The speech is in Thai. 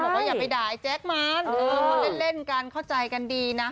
บอกว่าอย่าไปด่าไอ้แจ๊กมันเล่นกันเข้าใจกันดีนะ